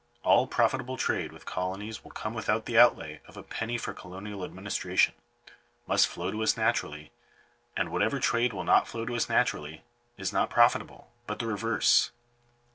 All profitable trade with colonies will come without the outlay of a penny for colonial administration — must flow to us naturally ; and whatever trade will not flow to us naturally, is not profitable, but the reverse.